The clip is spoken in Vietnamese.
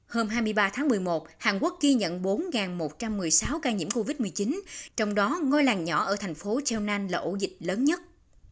hôm hai mươi ba tháng một mươi một hàn quốc ghi nhận bốn một trăm một mươi sáu ca nhiễm covid một mươi chín trong đó ngôi làng nhỏ ở thành phố chelan là ổ dịch lớn nhất